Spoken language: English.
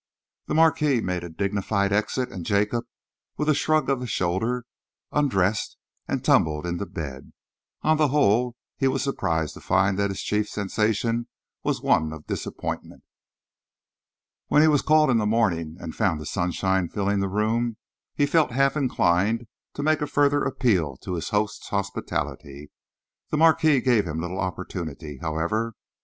The Marquis made a dignified exit, and Jacob, with a shrug of the shoulders, undressed and tumbled into bed. On the whole, he was surprised to find that his chief sensation was one of disappointment. When he was called in the morning and found the sunshine filling the room, he felt half inclined to make a further appeal to his host's hospitality. The Marquis gave him little opportunity, however.